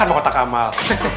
mau tak amal